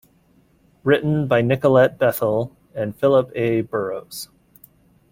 Written by Nicolette Bethel and Philip A. Burrows.